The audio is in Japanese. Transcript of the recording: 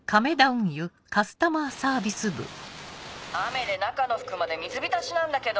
雨で中の服まで水浸しなんだけど！